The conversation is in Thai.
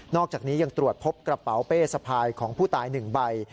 อกจากนี้ยังตรวจพบกระเป๋าเป้สะพายของผู้ตาย๑ใบ